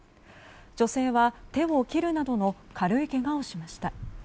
女性は手を切るなどの軽いけがをしました。